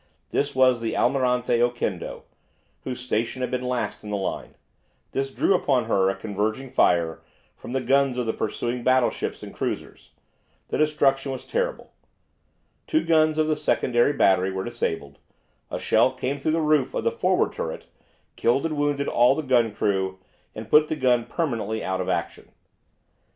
This was the "Almirante Oquendo," whose station had been last in the line. This drew upon her a converging fire from the guns of the pursuing battleships and cruisers. The destruction was terrible. Two guns of the secondary battery were disabled. A shell came through the roof of the forward turret, killed and wounded all the gun crew, and put the gun permanently out of action.